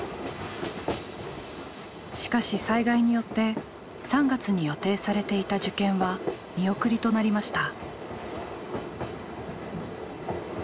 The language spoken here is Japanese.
しかし災害によって３月に予定されていた受験は見送りとなりました。